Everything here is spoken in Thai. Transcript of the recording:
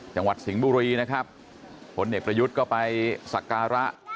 จังหวัดสิงห์บุรีนะครับผลเอกประยุทธ์ก็ไปสักการะ